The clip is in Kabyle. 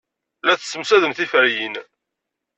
La tessemsadem tiferyin.